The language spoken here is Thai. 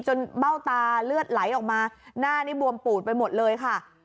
เบ้าตาเลือดไหลออกมาหน้านี่บวมปูดไปหมดเลยค่ะ